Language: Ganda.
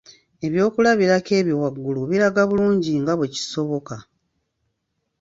Ebyokulabirako ebyo waggulu biraga bulungi nga bwe kisoboka